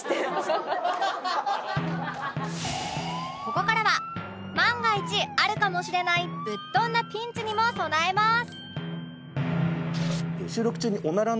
ここからは万が一あるかもしれないぶっ飛んだピンチにも備えます